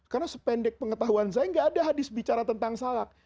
karena sependek pengetahuan saya gak ada hadis bicara tentang salak